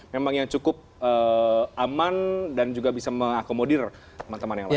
memang yang cukup aman dan juga bisa mengakomodir teman teman yang lain